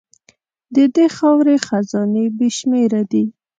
د دې خاورې خزانې بې شمېره دي.